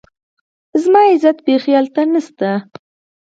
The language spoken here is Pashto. زما عزت بيخي هلته نشته